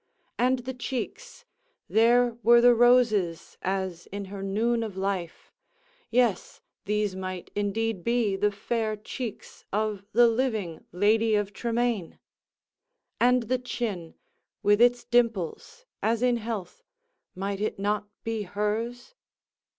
And the cheeks—there were the roses as in her noon of life—yes, these might indeed be the fair cheeks of the living Lady of Tremaine. And the chin, with its dimples, as in health, might it not be hers?